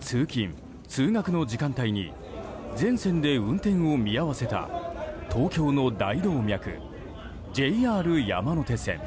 通勤・通学の時間帯に全線で運転を見合わせた東京の大動脈、ＪＲ山手線。